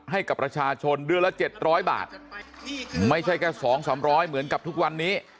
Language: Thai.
ให้กับประชาชนเดือนละ๗๐๐บาทไม่ใช่แค่สองสามร้อยเหมือนกับทุกวันนี้